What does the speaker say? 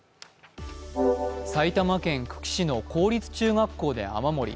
埼玉県久喜市の公立中学校で雨漏り。